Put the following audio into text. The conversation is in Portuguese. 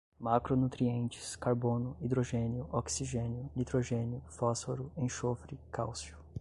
macronutrientes, carbono, hidrogênio, oxigênio, nitrogênio, fósforo, enxofre, cálcio